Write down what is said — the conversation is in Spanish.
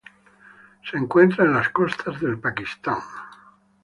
Se encuentran en las costas del Pakistán.